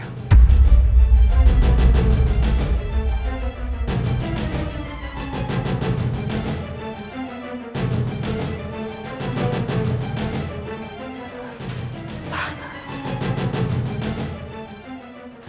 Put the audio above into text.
dan itu bukan istri saya